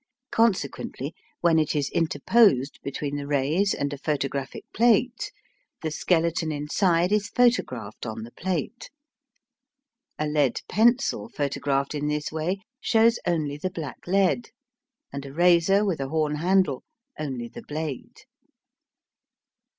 Consequently, when it is interposed between the rays and a photographic plate, the skeleton inside is photographed on the plate. A lead pencil photographed in this way shows only the black lead, and a razor with a horn handle only the blade.